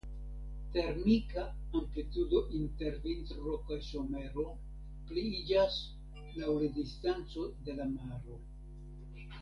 Termika amplitudo inter vintro kaj somero pliiĝas laŭ la distanco de la maro.